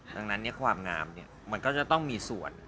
ดังนั้นเนี่ยความงามเนี่ยมันก็จะต้องมีส่วน